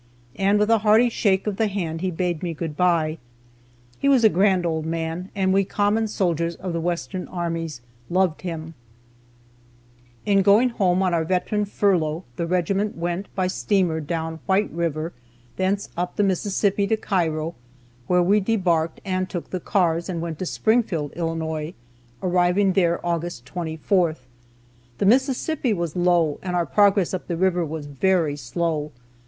and with a hearty shake of the hand he bade me good by. He was a grand old man, and we common soldiers of the western armies loved him. See "Military History of Ulysses S. Grant," by Adam Badeau, Vol. 1, page 456. In going home on our veteran furlough, the regiment went by steamer down White river, thence up the Mississippi to Cairo, where we debarked and took the cars, and went to Springfield, Illinois, arriving there August 24th. The Mississippi was low, and our progress up the river was very slow.